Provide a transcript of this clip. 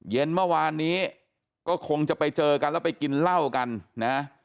เย็นเมื่อวานนี้ก็คงจะไปเจอกันแล้วไปกินเหล้ากันนะ